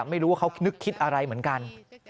ไม่รู้ว่าเขานึกคิดอะไรเหมือนกัน